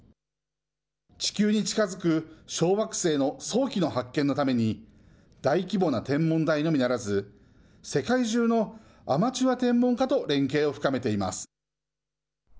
地球に近づく小惑星の早期の発見のために、大規模な天文台のみならず、世界中のアマチュア天文家と連携を深めています。